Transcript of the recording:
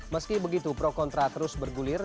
meski begitu pro kontra terus bergulir